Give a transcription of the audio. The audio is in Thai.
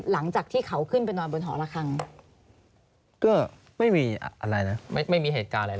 หลังจากที่เขาขึ้นไปนอนบนหอละครั้งก็ไม่มีอะไรนะไม่มีเหตุการณ์อะไร